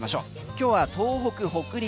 今日は東北、北陸